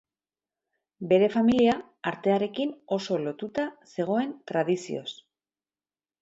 Bere familia artearekin oso lotuta zegoen tradizioz.